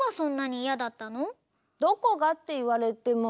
どこがっていわれても。